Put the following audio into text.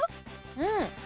うん！